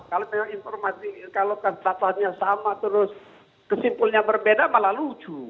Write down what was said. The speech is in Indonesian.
kalau informasi kalau data nya sama terus kesimpulannya berbeda malah lucu